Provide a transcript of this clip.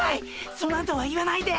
そのあとは言わないで！